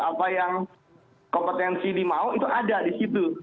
apa yang kompetensi di mau itu ada di situ